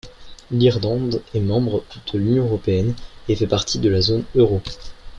L'Irlande est membre de l'Union européenne et fait partie de la zone euro.